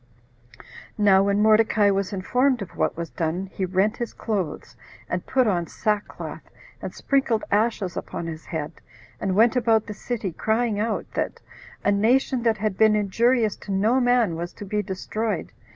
7. Now when Mordecai was informed of what was done, he rent his clothes, and put on sackcloth, and sprinkled ashes upon his head, and went about the city, crying out, that "a nation that had been injurious to no man was to be destroyed."